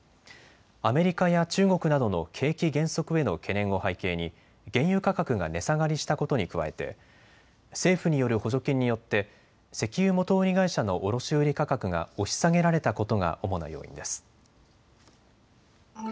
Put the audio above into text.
アメリカや中国などの景気減速への懸念を背景に原油価格が値下がりしたことに加えて政府による補助金によって石油元売り会社の卸売価格が押し下げられたことが主な要因です。